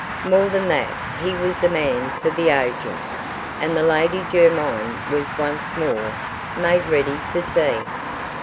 More than that he was the man for the agent; and the Lady Jermyn was once more made ready for sea.